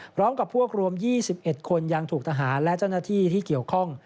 พร้อมกับพวกรวม๒๑คนยังถูกทหารและเจ้าหน้าที่ที่เกี่ยวข้อง